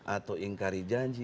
atau ingkari janji